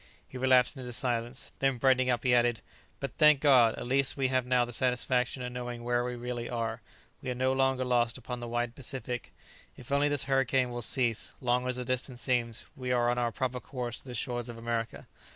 He relapsed into silence. Then, brightening up, he added, "But, thank God! at least we have now the satisfaction of knowing where we really are; we are no longer lost upon the wide Pacific; if only this hurricane will cease, long as the distance seems, we are on our proper course to the shores of America."